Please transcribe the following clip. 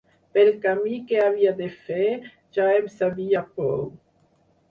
Pel camí que havia de fer, ja en sabia prou